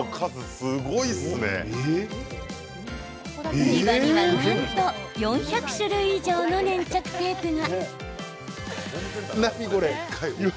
売り場には、なんと４００種類以上の粘着テープが。